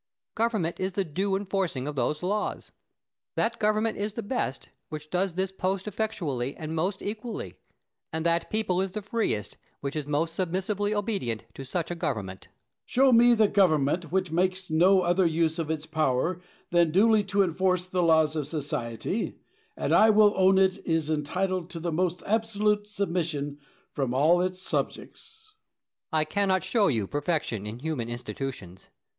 Government is the due enforcing of those laws. That government is the best which does this post effectually, and most equally; and that people is the freest which is most submissively obedient to such a government. Diogenes. Show me the government which makes no other use of its power than duly to enforce the laws of society, and I will own it is entitled to the most absolute submission from all its subjects. Plato. I cannot show you perfection in human institutions.